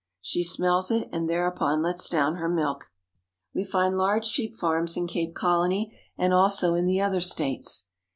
She smells it and thereupon lets down 1 her milk. We find large sheep farms in Cape Colony and also in ' the other states.